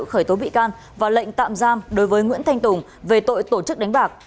khởi tố bị can và lệnh tạm giam đối với nguyễn thanh tùng về tội tổ chức đánh bạc